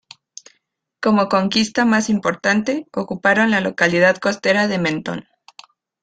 Como conquista más importante, ocuparon la localidad costera de Menton.